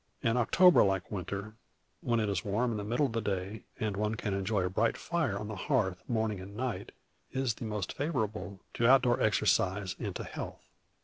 An October like winter, when it is warm in the middle of the day, and one can enjoy a bright fire on the hearth morning and night, is the most favorable to out door exercise and to health.